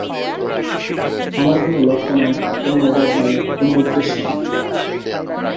আমার কোন লক্ষ্য নাই, কোন অভাব নাই, কোন উদ্দেশ্য নাই।